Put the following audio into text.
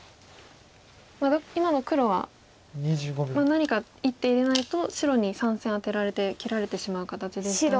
今の黒は何か１手入れないと白に３線アテられて切られてしまう形ですから。